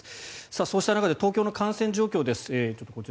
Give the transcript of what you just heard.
そうした中で東京の感染状況です。